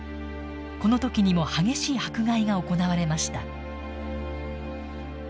この時にも激しい迫害が行われました。